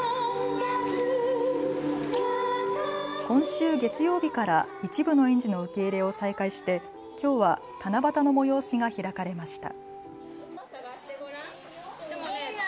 今週月曜日から一部の園児の受け入れを再開してきょうは七夕の催しが開かれました。